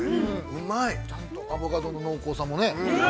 うまい、アボカドの濃厚さもね。